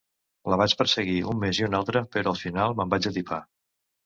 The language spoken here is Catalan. La vaig perseguir, un mes i un altre, però al final me'n vaig atipar.